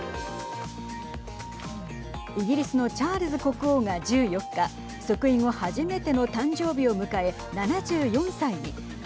イギリスのチャールズ国王が１４日即位後、初めての誕生日を迎え７４歳に。